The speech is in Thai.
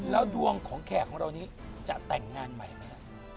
แล้วดวงของแขกของเรานี้จะแต่งงานใหม่ไหมฮะ